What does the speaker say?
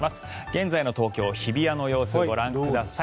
現在の東京・日比谷の様子ご覧ください。